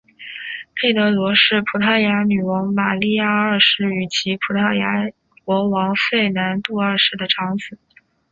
佩德罗是葡萄牙女王玛莉亚二世与其夫葡萄牙国王费南度二世的长子。